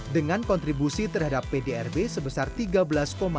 dengan kontribusi terhadap industri jepara mencapai satu dolar perusahaan